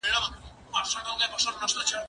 زه به سبا ږغ اورم وم؟!